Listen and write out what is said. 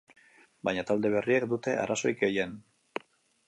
Baina talde berriek dute arazorik gehien.